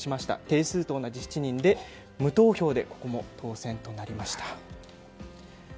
定数と同じ７人で無投票で当選となりました。